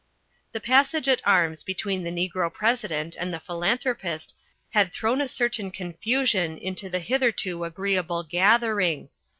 The passage at arms between the Negro President and The Philanthropist had thrown a certain confusion into the hitherto agreeable gathering.